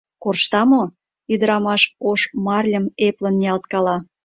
— Коршта мо? — ӱдырамаш ош марльым эплын ниялткала.